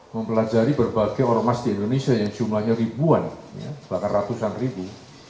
mempelajari berbagai ormas di indonesia yang jumlahnya ribuan bahkan ratusan ribu